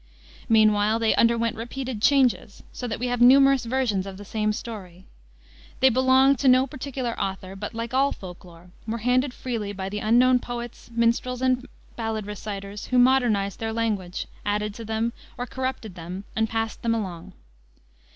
Meanwhile they underwent repeated changes, so that we have numerous versions of the same story. They belonged to no particular author, but, like all folk lore, were handled freely by the unknown poets, minstrels, and ballad reciters, who modernized their language, added to them, or corrupted them, and passed them along.